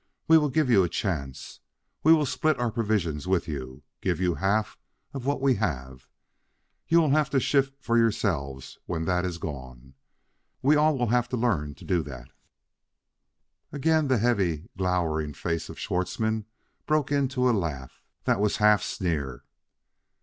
We will give you a chance; we will split our provisions with you give you half of what we have; you will have to shift for yourselves when that is gone. We will all have to learn to do that." Again the heavy, glowering face of Schwartzmann broke into a laugh that was half sneer.